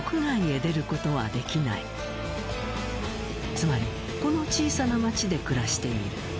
つまりこの小さな街で暮らしている。